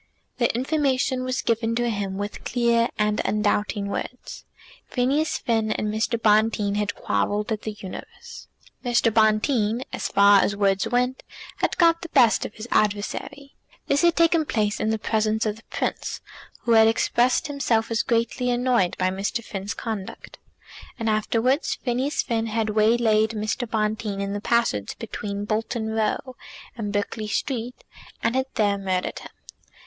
The information was given to him with clear and undoubting words. Phineas Finn and Mr. Bonteen had quarrelled at The Universe. Mr. Bonteen, as far as words went, had got the best of his adversary. This had taken place in the presence of the Prince, who had expressed himself as greatly annoyed by Mr. Finn's conduct. And afterwards Phineas Finn had waylaid Mr. Bonteen in the passage between Bolton Row and Berkeley Street, and had there murdered him.